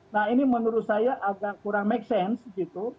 nah ini menurut saya agak kurang make sense gitu